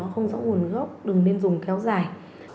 nó rõ nguồn gốc đừng nên dùng kéo dài